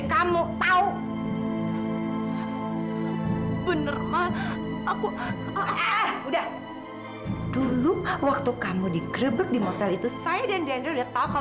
sampai jumpa di video selanjutnya